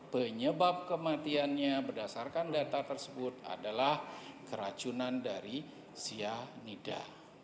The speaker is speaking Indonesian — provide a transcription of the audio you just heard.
penyebab kematiannya berdasarkan data tersebut adalah keracunan dari cyanida